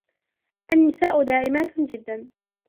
النساء داعِمات جدًّا.